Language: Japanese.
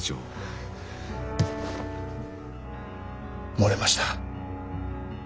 漏れました。